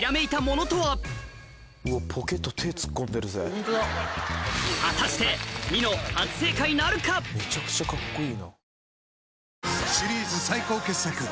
続いては果たしてめちゃくちゃカッコいいな。